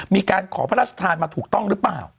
มีการขอพระราชทานมาถูกต้องหรือเปล่า